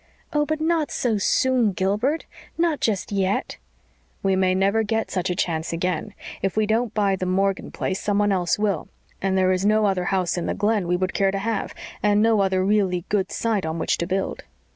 "Oh, but not so soon, Gilbert not just yet." "We may never get such a chance again. If we don't buy the Morgan place someone else will and there is no other house in the Glen we would care to have, and no other really good site on which to build.